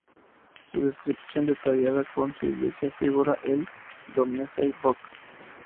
Su descripción detallada con su iglesia, figura en el Domesday Book.